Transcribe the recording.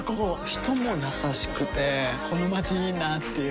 人も優しくてこのまちいいなぁっていう